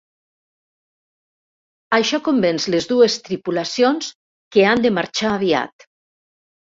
Això convenç les dues tripulacions que han de marxar aviat.